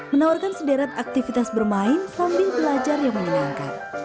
menawarkan sederet aktivitas bermain sambil belajar yang menyenangkan